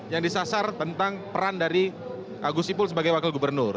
yang disasar tentang peran dari agus sipul sebagai wakil gubernur